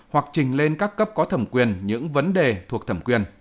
hoặc trình lên các cấp có thẩm quyền những vấn đề thuộc thẩm quyền